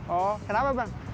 oh kenapa bang